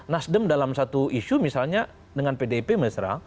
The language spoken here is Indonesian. nasdem dalam satu isu misalnya dengan pdip mesra